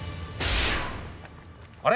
あれ？